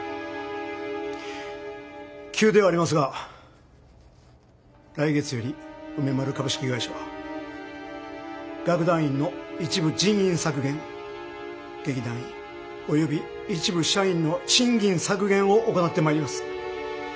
急ではありますが来月より梅丸株式会社は楽団員の一部人員削減劇団員および一部社員の賃金削減を行ってまいります。